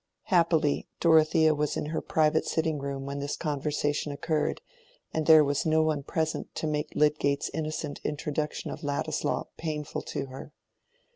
Happily Dorothea was in her private sitting room when this conversation occurred, and there was no one present to make Lydgate's innocent introduction of Ladislaw painful to her.